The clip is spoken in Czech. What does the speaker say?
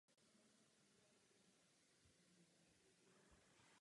Prvním předsedou komise nové čtvrti se stal stavební dodavatel Mar Chajim.